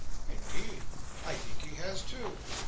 "Indeed I think he has too."